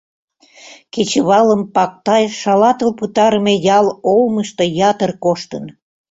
Кечывалым Пактай шалатыл пытарыме ял олмышто ятыр коштын.